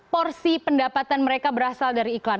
porsi pendapatan mereka berasal dari iklan